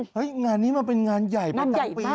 เฮ่ยงานนี้มันเป็นงานใหญ่ไปจากปี